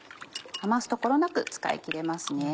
余すところなく使いきれますね。